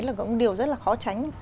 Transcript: là cũng điều rất là khó tránh